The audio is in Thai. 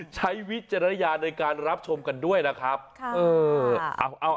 วิจารณญาณในการรับชมกันด้วยนะครับ